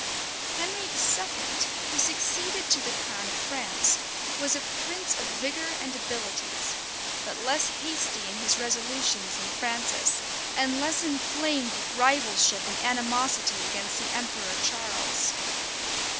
[] Henry II., who succeeded to the crown of France, was a prince of vigor and abilities; but less hasty in his resolutions than Francis, and less inflamed with rivalship and animosity against the emperor Charles.